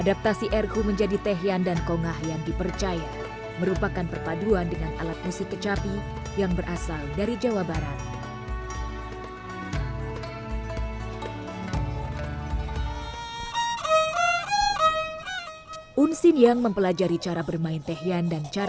ditiru lagunya juga lagu china